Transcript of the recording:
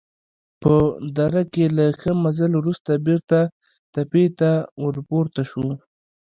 په دره کې له ښه مزل وروسته بېرته تپې ته ورپورته شوو.